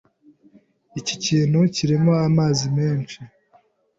Iki kintu kirimo amazi menshi.